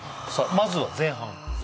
まずは前半